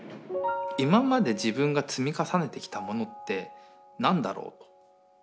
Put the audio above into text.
今まで自分が積み重ねてきたものって何だろうと。